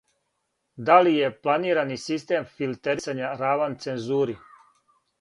Да ли је планирани систем филтерисања раван цензури?